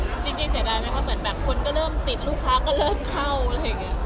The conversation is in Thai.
จริงเสียดายไหมคะเหมือนแบบคนก็เริ่มติดลูกค้าก็เริ่มเข้าอะไรอย่างนี้